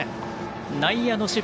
内野の守備